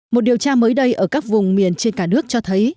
một điều tra mới đây ở các vùng miền trên cả nước cho thấy